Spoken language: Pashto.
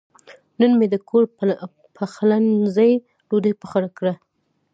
نن مې د کور پخلنځي ډوډۍ پخه کړه.